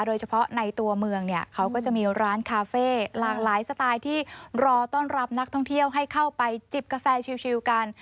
โดยเฉพาะในตัวเมืองเนี่ยเขาก็จะมีร้านคาเฟ่หลากหลายสไตล์ที่รอต้อนรับนักท่องเที่ยวให้เข้าไปจิบกาแฟชิวกัน